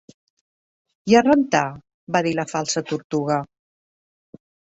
"I a rentar?" va dir la Falsa Tortuga.